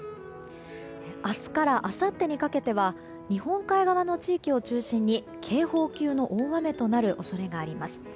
明日からあさってにかけては日本海側の地域を中心に警報級の大雨となる恐れがあります。